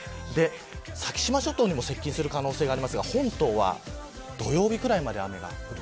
先島諸島にも接近する可能性がありますが本島は土曜日ぐらいまで雨が降る。